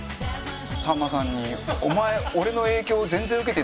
さんまさんに「お前俺の影響全然受けてないやろ」って。